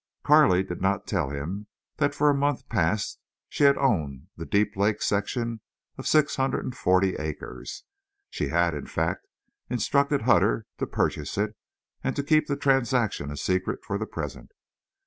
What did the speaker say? Carley did not tell him that for a month past she had owned the Deep Lake section of six hundred and forty acres. She had, in fact, instructed Hutter to purchase it, and to keep the transaction a secret for the present.